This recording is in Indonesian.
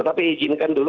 tetapi izinkan dulu